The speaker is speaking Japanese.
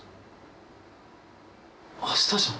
明日じゃん！